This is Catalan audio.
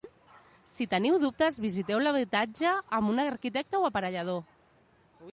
Si teniu dubtes, visiteu l'habitatge amb un arquitecte o aparellador.